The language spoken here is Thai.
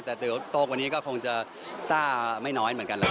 แต่โตกวันนี้ก็คงจะซ่าไม่น้อยเหมือนกันเลย